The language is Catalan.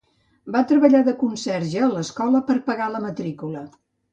Va treballar de conserge a l'escola per pagar la matrícula.